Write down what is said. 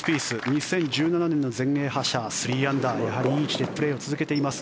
２０１７年の全英覇者３アンダーやはりいい位置でプレーを続けています。